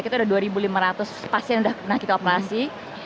kita ada dua lima ratus pasien sudah pernah kita operasi